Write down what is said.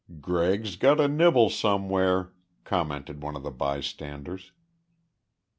"Greg's got a nibble somewhere," commented one of the bystanders.